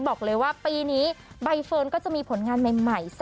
บอกเลยว่าปีนี้ใบเฟิร์นก็จะมีผลงานใหม่